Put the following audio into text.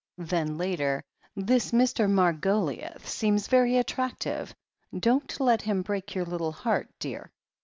Then later : "This Mr. Margoliouth seems very attractive. Don't let him break your little heart, dear